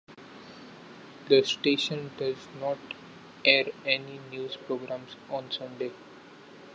The station does not air any news programs on Sunday.